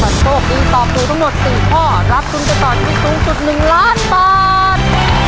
ถ้าโชคดีตอบถูกทั้งหมด๔ข้อรับทุนไปต่อชีวิตสูงสุด๑ล้านบาท